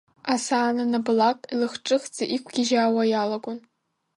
Асаан анабалак, илахҿыхӡа иқәгьежьаауа иалагон.